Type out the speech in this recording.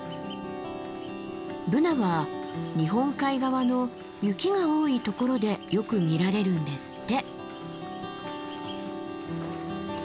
ブナは日本海側の雪が多いところでよく見られるんですって。